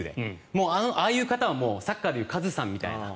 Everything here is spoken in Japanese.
もうああいう方はサッカーでいうカズさんみたいな。